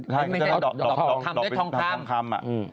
ทำได้ทองคำ